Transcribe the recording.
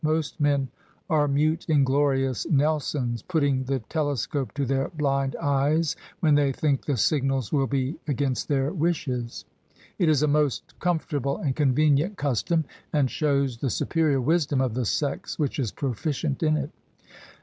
Most men are mute inglorious Nelsons, putting the telescope to their blind eyes when they think the signals will be against their wishes. It is a most com fortable and convenient custom, and shows the superior wisdom of the sex which is proficient in it.